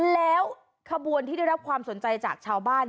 แล้วขบวนที่ได้รับความสนใจจากชาวบ้าน